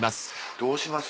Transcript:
どうします？